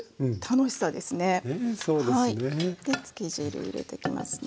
でつけ汁入れてきますね。